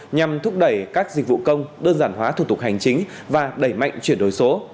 nhằm thúc đẩy các dịch vụ công đơn giản hóa thủ tục hành chính và đẩy mạnh chuyển đổi số